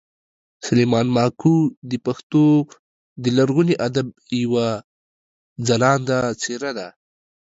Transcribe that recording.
سلیمان ماکو د پښتو د لرغوني ادب یوه خلانده څېره ده